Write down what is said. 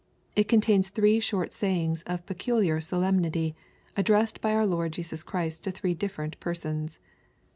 It contains three short sayings of peculiar solemnity, addressed by our Lord Jesus Christ to three different persons.